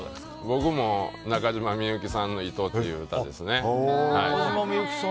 僕も中島みゆきさんの「糸」っていう歌ですね。